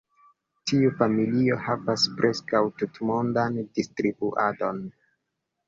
Tiu familio havas preskaŭ tutmondan distribuadon.